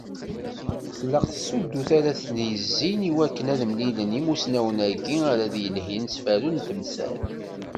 Tlaq tsudut ara ten-yezdin i wakken ad mlilen yimussnawen-agi ara d-yelhin s ferru n temsal.